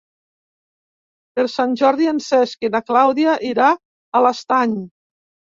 Per Sant Jordi en Cesc i na Clàudia iran a l'Estany.